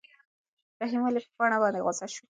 رحیم ولې په پاڼه باندې غوسه شو؟